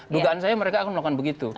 dugaan saya mereka akan melakukan begitu